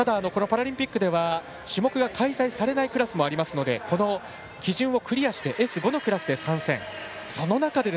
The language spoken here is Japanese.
ただ、このパラリンピックでは種目が開催されないクラスもありますのでこの基準をクリアしてＳ５のクラスで参戦。